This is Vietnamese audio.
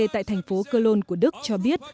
tại thành phố cologne của đức cho biết